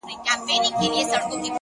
وخت د ژوند تر ټولو عادل قاضي دی